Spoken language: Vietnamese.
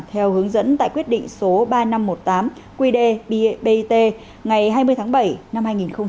theo hướng dẫn tại quyết định số ba nghìn năm trăm một mươi tám quy đề bit ngày hai mươi tháng bảy năm hai nghìn hai mươi một